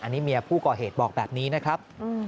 อันนี้เมียผู้ก่อเหตุบอกแบบนี้นะครับ